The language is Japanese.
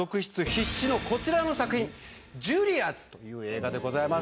必至のこちらの作品ジュリアという映画です。